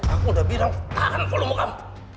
aku udah bilang tahan volume kamu